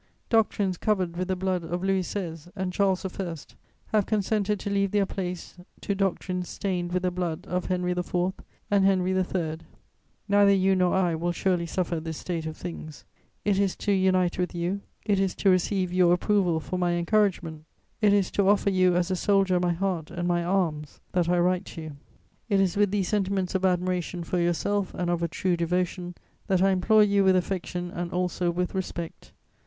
Doctrines covered with the blood of Louis XVI. and Charles I. have consented to leave their place to doctrines stained with the blood of Henry IV. and Henry III. Neither you nor I will surely suffer this state of things; it is to unite with you, it is to receive your approval for my encouragement, it is to offer you as a soldier my heart and my arms, that I write to you. "It is with these sentiments of admiration for yourself and of a true devotion, that I implore you with affection and also with respect.